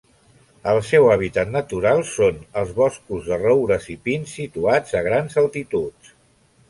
El seu hàbitat natural són els boscos de roures i pins situats a grans altituds.